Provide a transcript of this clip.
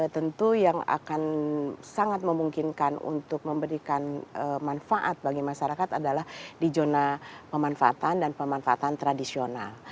tentu yang akan sangat memungkinkan untuk memberikan manfaat bagi masyarakat adalah di zona pemanfaatan dan pemanfaatan tradisional